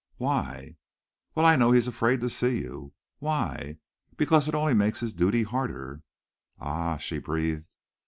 "Why?" "Well, I know he's afraid to see you." "Why?" "Because it only makes his duty harder." "Ah!" she breathed.